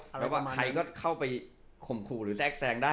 แล้วก็ใครก็เข้าไปข่มขู่หรือแทรกแทรงได้